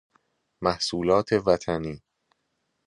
محصولات وطنی